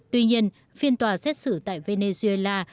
tuy nhiên phiên tòa xét xử tại venezuela